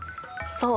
そう。